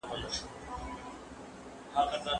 دا سټډیوم د نړیوالو معیارونو سره سم جوړ شوی دی.